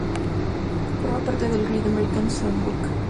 Forma parte del Great American Songbook.